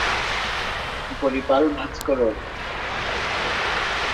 উপরি পাল ভাঁজ করো!